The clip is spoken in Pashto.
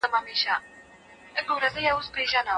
استاد کاروان د سهار د اوښانو انځور په ډېر هنر کښلی دی.